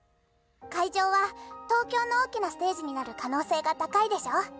会場は東京の大きなステージになる可能性が高いでしょ？」。